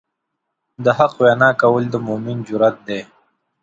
د حق وینا کول د مؤمن جرئت دی.